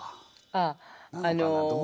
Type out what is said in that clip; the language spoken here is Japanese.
あっあの